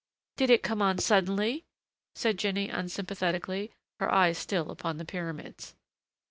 "Did it come on suddenly?" said Jinny, unsympathetically, her eyes still upon the pyramids.